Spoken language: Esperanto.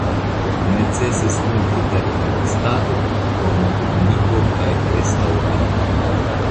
Necesis multe da investado por la modernigo kaj restaŭrado.